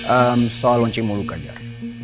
eh soal launching mulu kajar